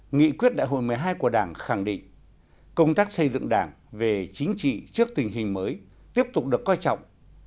nghị quyết đại hội một mươi hai của đảng khẳng định công tác xây dựng đảng về chính trị trước tình hình mới tiếp tục được coi trọng